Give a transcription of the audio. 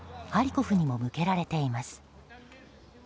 ハリコフにも向けられています。